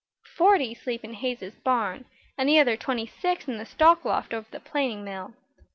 "Forty sleep in Hayes's barn, and the other twenty six in the stock loft over the planing mill.